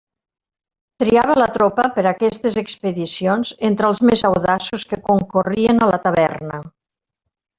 Triava la tropa per a aquestes expedicions entre els més audaços que concorrien a la taverna.